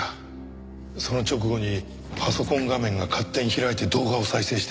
その直後にパソコン画面が勝手に開いて動画を再生して。